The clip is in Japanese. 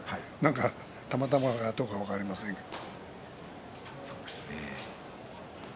たまたまかどうかは分かりませんけれども。